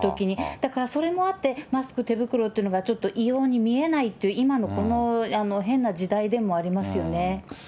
だからそれもあって、マスク、手袋っていうのがちょっと異様に見えないという、今のこの変な時代でもありますよね。